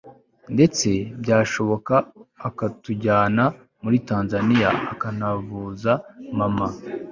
ndetse byashoboka akatujyana muri Tanzania akanavuza mama